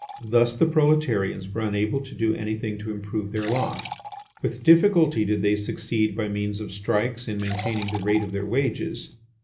Thus the proletarians were unable to do anything to improve their lot. With difficulty did they succeed by means of strikes in maintaining the rate of their wages.